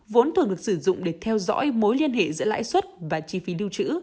vốn thường được sử dụng để theo dõi mối liên hệ giữa lãi suất và chi phí lưu trữ